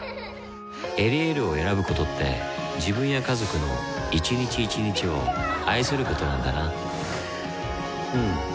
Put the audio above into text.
「エリエール」を選ぶことって自分や家族の一日一日を愛することなんだなうん。